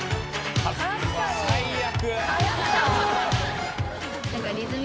最悪！